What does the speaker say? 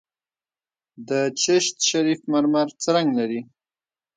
د چشت شریف مرمر څه رنګ لري؟